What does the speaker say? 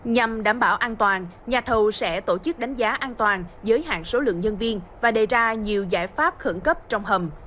nhằm đảm bảo an toàn nhà thầu sẽ tổ chức đánh giá an toàn giới hạn số lượng nhân viên và đề ra nhiều giải pháp khẩn cấp trong hầm